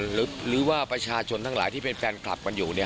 หรือว่าประชาชนทั้งหลายที่เป็นแฟนคลับกันอยู่